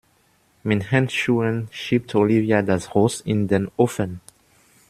Mit Handschuhen schiebt Olivia das Rost in den Ofen.